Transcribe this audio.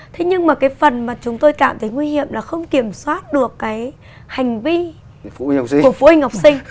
thế nhưng mà cái phần mà chúng tôi cảm thấy nguy hiểm là không kiểm soát được cái hành vi của phụ huynh học sinh